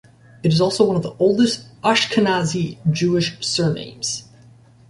It is also one of the oldest Ashkenazi Jewish surnames.